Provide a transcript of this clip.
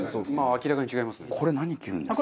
明らかに違いますね。